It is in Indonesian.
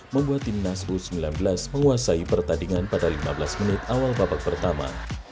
membuat timnas u sembilan belas menguasai pertandingan pada lima belas menit awal babak pertama